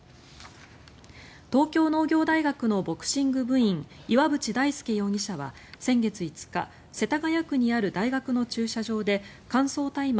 東京農業大学のボクシング部員岩渕大輔容疑者は先月５日世田谷区にある大学の駐車場で乾燥大麻